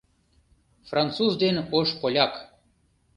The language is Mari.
Француз ден ош поляк